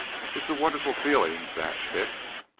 It's a wonderful feeling, that, Dick.